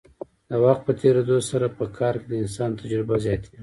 د وخت په تیریدو سره په کار کې د انسان تجربه زیاتیږي.